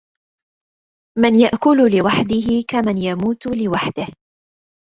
من يأكل لوحده كمن يموت لوحده.